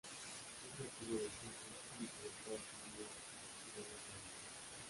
Es nativo del centro y este de Estados Unidos y de las Bahamas.